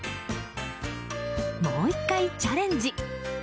もう１回チャレンジ。